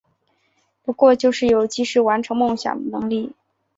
不过就是有及时完成梦想的能力